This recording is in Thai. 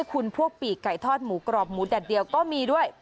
คุณพวกปีกไก่ทอดหมูกรอบหมูแดดเดียวก็มีด้วย